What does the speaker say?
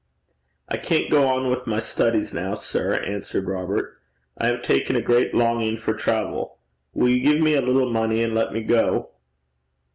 'I can't go on with my studies now, sir,' answered Robert. 'I have taken a great longing for travel. Will you give me a little money and let me go?'